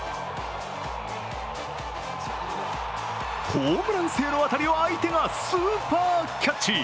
ホームラン性の当たりを相手がスーパーキャッチ。